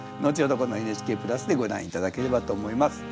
このＮＨＫプラスでご覧頂ければと思います。